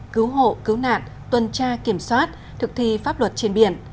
cứu hộ cứu nạn tuân tra kiểm soát thực thi pháp luật trên biển